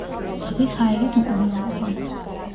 ზღვის ჰაერით მკურნალობა.